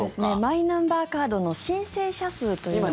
マイナンバーカードの申請者数というのは。